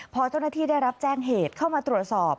พอเจ้าหน้าที่ได้รับแจ้งเหตุเข้ามาตรวจสอบ